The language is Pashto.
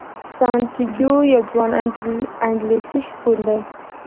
سانتیاګو یو ځوان اندلسي شپون دی.